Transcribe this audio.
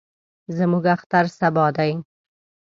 زموږ اختر سبا دئ.